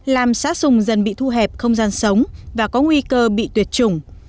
làm xã sùng dần bị thu hẹp không gian sống và có nguy cơ bị tuyệt chủng